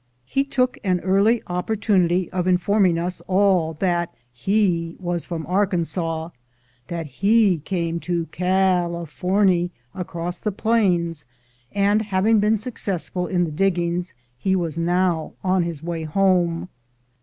He took an early opportunity of informing us all that he was from Arkansas; that he came to "Calaforny" across the plains, and having been successful in the diggings, he was now on his way home.